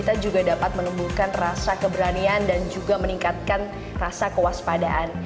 kita juga dapat menumbuhkan rasa keberanian dan juga meningkatkan rasa kewaspadaan